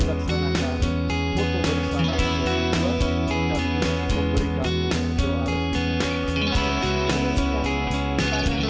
saya ingin mengucapkan terima kasih kepada anda semua yang telah menonton video ini